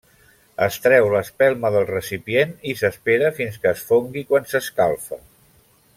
Es treu l'espelma del recipient i s'espera fins que es fongui quan s'escalfa.